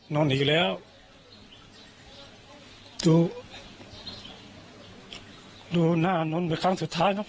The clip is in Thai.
นอนอีกแล้วดูดูหน้านนท์เหมือนครั้งสุดท้ายนะครับพ่อ